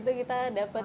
itu kita dapat